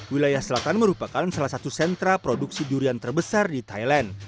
wilayah selatan merupakan salah satu sentra produksi durian terbesar di thailand